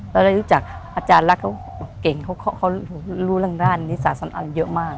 แล้วได้รู้จักอาจารย์ล่ะเขาเก่งเขารู้ร่างราชนิสาสนาลเยอะมาก